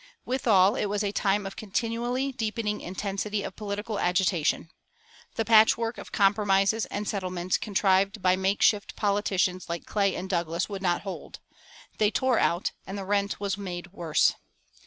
Withal it was a time of continually deepening intensity of political agitation. The patchwork of compromises and settlements contrived by make shift politicians like Clay and Douglas would not hold; they tore out, and the rent was made worse.